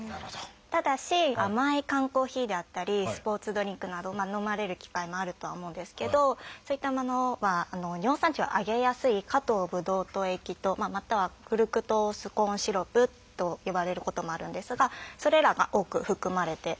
ただし甘い缶コーヒーであったりスポーツドリンクなど飲まれる機会もあるとは思うんですけどそういったものは尿酸値を上げやすい「果糖ぶどう糖液糖」または「フルクトースコーンシロップ」と呼ばれることもあるんですがそれらが多く含まれております。